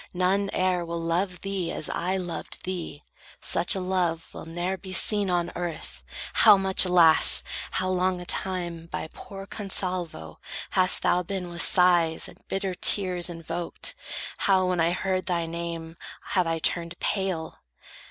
None e'er Will love thee as I loved thee. Such a love Will ne'er be seen on earth. How much, alas, How long a time by poor Consalvo hast Thou been with sighs and bitter tears invoked! How, when I heard thy name, have I turned pale!